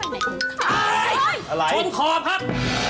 มันอะไรของเขาอะไรชุดขอบครับ